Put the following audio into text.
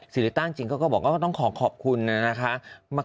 ริต้าจริงเขาก็บอกว่าต้องขอขอบคุณนะคะ